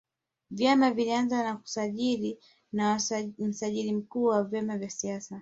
vyama vilizaliwa na kusajiliwa na msajiri mkuu wa vyama vya siasa